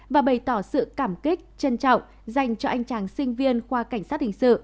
và bày tỏ sự cảm kích trân trọng dành cho anh chàng sinh viên khoa cảnh sát hình sự